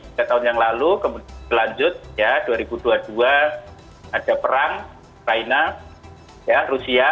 tiga tahun yang lalu kemudian berlanjut ya dua ribu dua puluh dua ada perang ukraina rusia